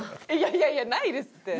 いやいやないですって。